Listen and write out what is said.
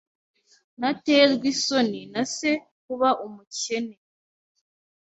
Ntaterwa isoni na se kuba umukene.